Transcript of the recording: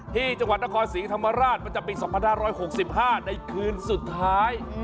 ที่จังหวัดนครศรีธรรมราชประจำปี๒๕๖๕ในคืนสุดท้าย